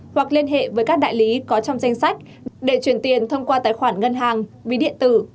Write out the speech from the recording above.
hoặc liên hệ với các đại lý có trong danh sách để chuyển tiền thông qua tài khoản ngân hàng ví điện tử